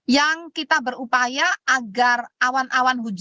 yang kita berupaya agar awan awan hujan